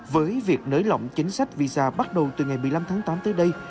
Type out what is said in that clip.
với việc nới lỏng chính sách visa bắt đầu từ ngày một mươi năm tháng tám tới đây